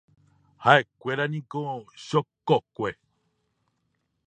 Ha'ekuéraniko chokokue.